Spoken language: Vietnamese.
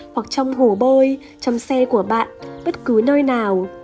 hoặc trong hồ bơi trong xe của bạn bất cứ nơi nào